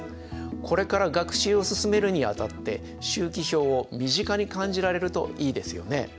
これから学習を進めるにあたって周期表を身近に感じられるといいですよね。